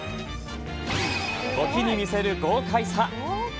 時に見せる豪快さ。